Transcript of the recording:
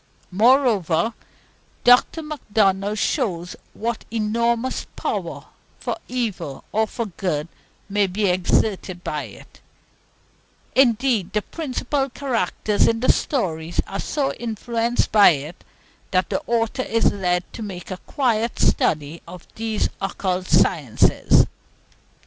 Moreover, Dr. Macdonald shows what enormous power, for evil or for good, may be exerted by it; indeed, the principal characters in the story are so influenced by it, that the author is led to make quite a study of these occult sciences."